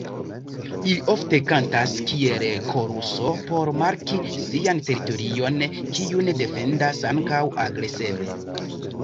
Ili ofte kantas kiel koruso por marki sian teritorion, kiun defendas ankaŭ agreseme.